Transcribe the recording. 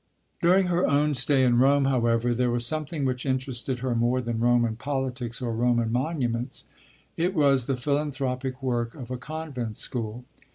III During her own stay in Rome, however, there was something which interested her more than Roman politics or Roman monuments. It was the philanthropic work of a Convent School.